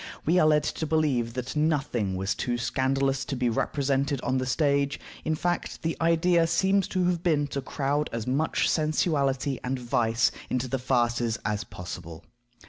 We are led to believe that nothing was too scandalous to be represented on the stage; in fact, the idea seems to have been to crowd as much sensuality and vice into the farces as possible.